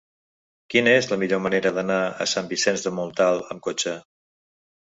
Quina és la millor manera d'anar a Sant Vicenç de Montalt amb cotxe?